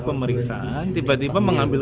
pemeriksaan tiba tiba mengambil